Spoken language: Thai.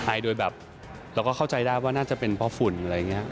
โดยแบบเราก็เข้าใจได้ว่าน่าจะเป็นเพราะฝุ่นอะไรอย่างนี้